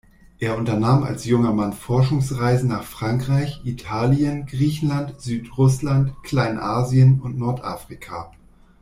Er unternahm als junger Mann Forschungsreisen nach Frankreich, Italien, Griechenland, Südrussland, Kleinasien und Nordafrika.